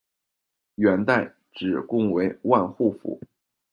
元代，止贡为万户府。